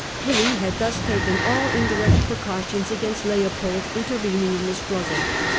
* Louis had thus taken all indirect precautions against Leopold intervening in the struggle.